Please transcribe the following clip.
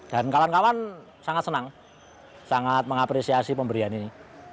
dan kawan kawan sangat senang sangat mengapresiasi pemberian ini